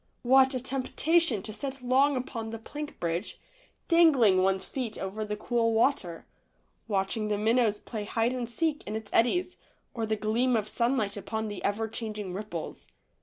What a temptation to sit long upon the plank bridge, dangling one's feet over the cool water, watching the minnows play hide and seek in its eddies or the gleam of sunlight upon the ever changing ripples.